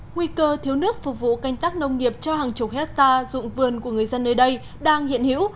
nguy cơ thiếu nước phục vụ canh tác nông nghiệp